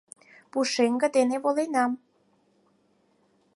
Пушеҥге дене воленам.